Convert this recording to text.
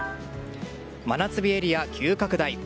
真夏日エリア急拡大。